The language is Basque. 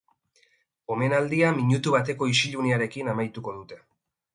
Omenaldia minutu bateko isilunearekin amaitu dute.